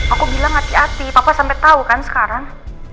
aku bilang hati hati papa sampai tau kan sekarang